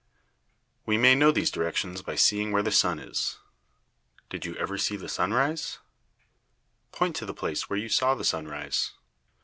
We may know these directions by seeing where the sun is. Did you ever see the sun rise? Point to the place where you saw the sun rise.